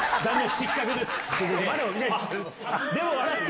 失格です。